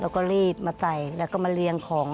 แล้วก็รีบมาใส่แล้วก็มาเรียงของ